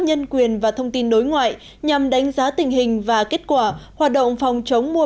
nhân quyền và thông tin đối ngoại nhằm đánh giá tình hình và kết quả hoạt động phòng chống mua